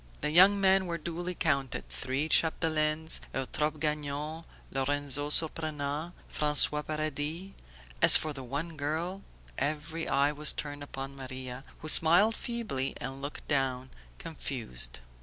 The young men were duly counted: three Chapdelaines, Eutrope Gagnon, Lorenzo Surprenant, François Paradis. As for the one girl ... Every eye was turned upon Maria, who smiled feebly and looked down, confused.